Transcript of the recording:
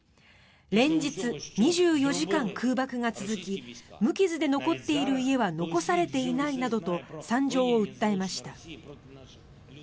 連日、２４時間空爆が続き無傷で残っている家は残されていないなどと惨状を訴えました。